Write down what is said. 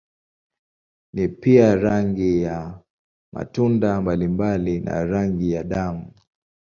Ni pia rangi ya matunda mbalimbali na rangi ya damu.